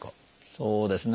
そうですね